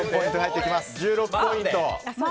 １６ポイント。